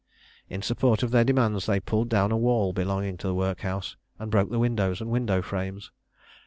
In support of their demands they pulled down a wall belonging to the workhouse, and broke the windows and window frames.